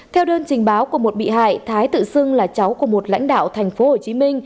theo đơn trình báo của một bị hại thái tự xưng là cháu của một lãnh đạo tp hcm